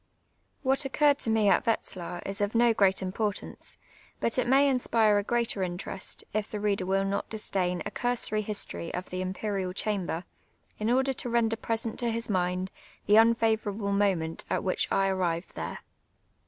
What occurred to me at Wetzlar is of no gi'eat importance, but it may inspire a greater interest, if tlie reader will not disdain a cui sory lii.story of the Imperial Chamber, in order to render present to his mind the mifavom able moment at which I arrived there.